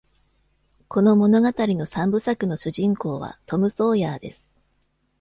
この物語の三部作の主人公はトム・ソーヤーです。